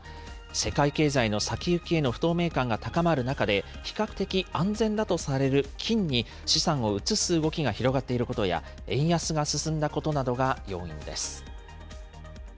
世界経済の先行きへの不透明感が高まる中で、比較的安全だとされる金に資産を移す動きが広がっていることや、円安が進んだことなどが要因です。